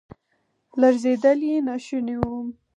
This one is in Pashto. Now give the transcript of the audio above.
لړزیدل یې ناشوني وو.